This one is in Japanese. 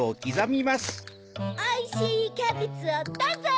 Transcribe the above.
おいしいキャベツをどうぞ！